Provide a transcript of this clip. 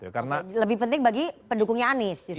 lebih penting bagi pendukungnya anies